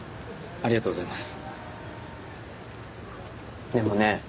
ありがとうございます